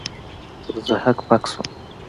زه هک پک سوم.